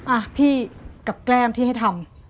อ่ะพี่กับแก้มที่ให้ทำ